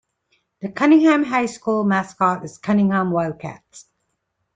The Cunningham High School mascot is Cunningham Wildcats.